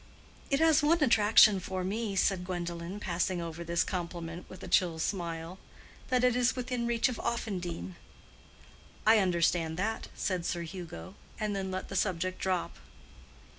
"It has one attraction for me," said Gwendolen, passing over this compliment with a chill smile, "that it is within reach of Offendene." "I understand that," said Sir Hugo, and then let the subject drop.